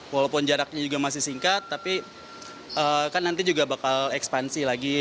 walaupun jaraknya juga masih singkat tapi kan nanti juga bakal ekspansi lagi